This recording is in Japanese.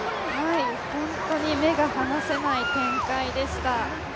本当に目が離せない展開でした。